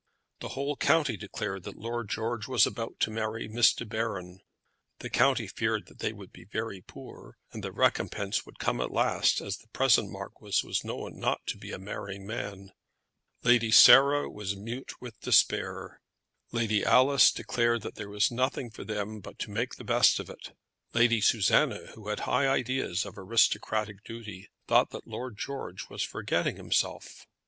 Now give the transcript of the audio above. The whole county declared that Lord George was about to marry Miss De Baron. The county feared that they would be very poor; but the recompence would come at last, as the present marquis was known not to be a marrying man. Lady Sarah was mute with despair. Lady Alice had declared that there was nothing for them but to make the best of it. Lady Susanna, who had high ideas of aristocratic duty, thought that George was forgetting himself.